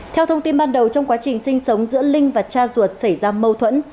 theo thông tin ban đầu trong quá trình sinh sống giữa linh và cha ruột xảy ra mâu thuẫn